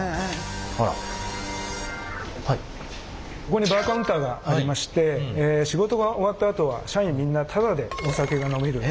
ここにバーカウンターがありまして仕事が終わったあとは社員みんなタダでお酒が飲める。